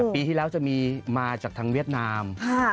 ปีที่แล้วจะมีมาจากทางเวียดนาม